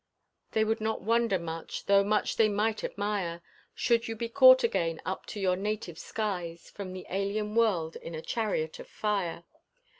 They would not wonder much, though much they might admire, Should you be caught again up to your native skies From an alien world in a chariot of fire.